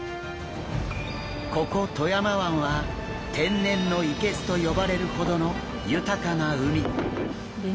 ここ富山湾は天然の生簀と呼ばれるほどの豊かな海。